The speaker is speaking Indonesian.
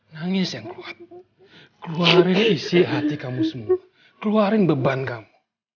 nangis yang kuat keluarin isi hati kamu semua keluarin beban kamu